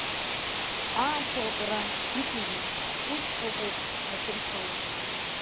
Аашьара-тәара иқәызма уск ыҟоуп ахьырҳәауаз!